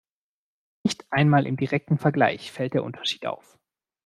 Nicht einmal im direkten Vergleich fällt der Unterschied auf.